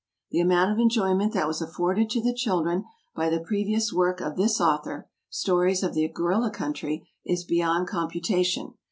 The amount of enjoyment that was afforded to the children by the previous work of this author, "Stories of the Gorilla Country," is beyond computation.